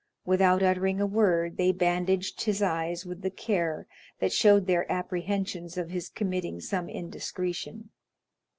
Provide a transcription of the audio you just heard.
Without uttering a word, they bandaged his eyes with a care that showed their apprehensions of his committing some indiscretion.